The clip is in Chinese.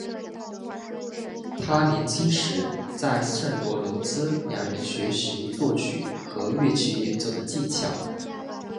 他年轻时在圣罗伦兹两人学习作曲和乐器演奏的技巧。